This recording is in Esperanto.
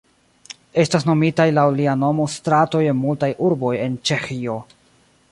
Estas nomitaj laŭ lia nomo stratoj en multaj urboj en Ĉeĥio.